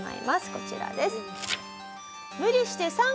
こちらです。